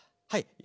はい。